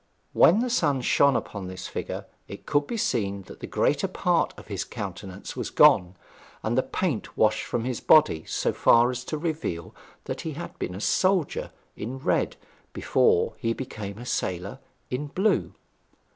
When the sun shone upon this figure it could be seen that the greater part of his countenance was gone, and the paint washed from his body so far as to reveal that he had been a soldier in red before he became a sailor in blue.